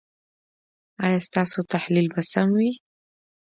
ایا ستاسو تحلیل به سم وي؟